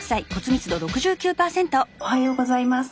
おはようございます。